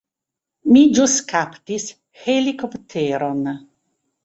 Mi ĵus kaptis helikopteron.